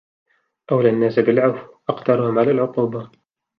أولى الناس بالعفو أقدرهم على العقوبة